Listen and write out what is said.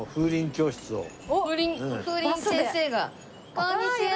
こんにちは！